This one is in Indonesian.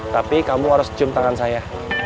tapi kamu harus cium tangan saya